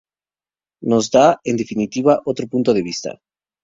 Nos da, en definitiva, otro punto de vista.